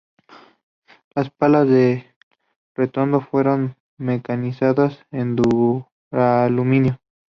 Las palas del rotor fueron mecanizadas en duraluminio.